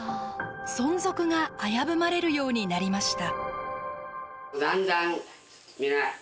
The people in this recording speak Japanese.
存続が危ぶまれるようになりました。